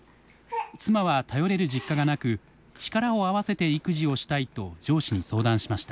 妻は頼れる実家がなく力を合わせて育児をしたいと上司に相談しました。